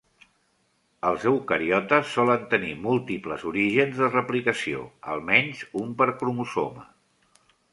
Els eucariotes solen tenir múltiples orígens de replicació; almenys un per cromosoma.